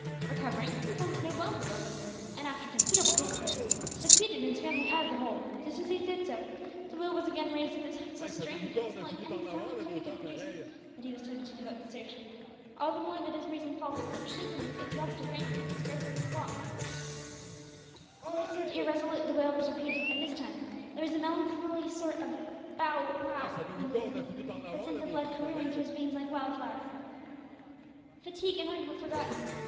Recovering, he found that no bones were broken, and after considerable difficulty, succeeded in scrambling out of the hole. Just as he did so, the wail was again raised; but it sounded so strange, and so unlike any sound that Cuffy could produce, that he was tempted to give up the search all the more that his recent fall had so shaken his exhausted frame that he could scarcely walk. While he stood irresolute, the wail was repeated, and, this time, there was a melancholy sort of "bow wow" mingled with it, that sent the blood careering through his veins like wildfire. Fatigue and hunger were forgotten.